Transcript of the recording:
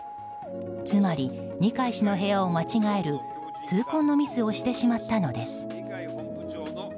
つまり、二階氏の部屋を間違える痛恨のミスをしてしまったのです。